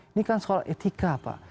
ini kan soal etika pak